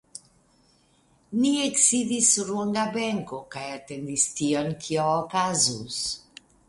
Ni eksidis sur longa benko kaj atendis tion, kio okazus.